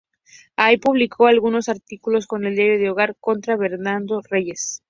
Ahí publicó algunos artículos en el "Diario del Hogar" contra Bernardo Reyes.